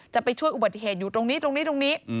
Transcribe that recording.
จะไปช่วยอุบัติเหตุอยู่ตรงนี้ตรงนี้